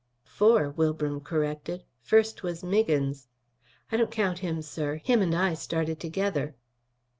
"Four," Wilbram corrected. "First was Miggins." "I don't count him, sir. Him and I started together."